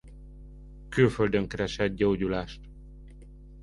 Külföldön keresett gyógyulást.